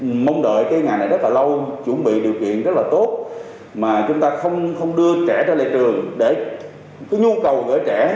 trường công lập của chúng ta đã rất là lâu chuẩn bị điều kiện rất là tốt mà chúng ta không đưa trẻ ra lệ trường để cái nhu cầu của trẻ